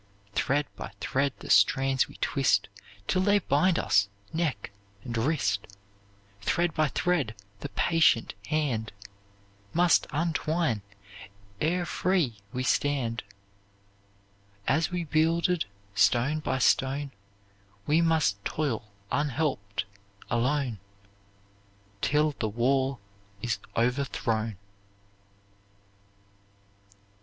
Thread by thread the strands we twist, Till they bind us, neck and wrist; Thread by thread the patient hand Must untwine, ere free we stand; As we builded, stone by stone, We must toil unhelped, alone, Till the wall is overthrown.